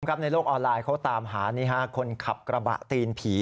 ในโลกออนไลน์เขาตามหาคนขับกระบะตีนผี